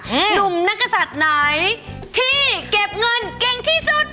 หนุ่มนักศัตริย์ไหนที่เก็บเงินเก่งที่สุด